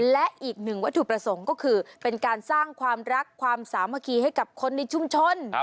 และอีกหนึ่งวัตถุประสงค์ก็คือเป็นการสร้างความรักความสามัคคีให้กับคนในชุมชน